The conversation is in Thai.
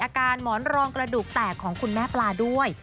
หมอนรองกระดูกแตกของคุณแม่ปลาด้วย